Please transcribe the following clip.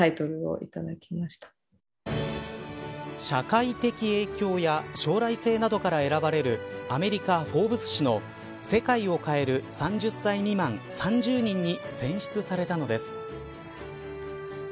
社会的影響や将来性などから選ばれるアメリカ、フォーブス誌の世界を変える３０歳未満３０人に選出されたのです。